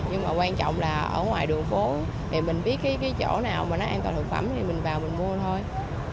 nhưng mà quan trọng là ở ngoài đường phố thì mình biết cái chỗ nào mà nó an toàn thực phẩm thì mình vào mình mua thôi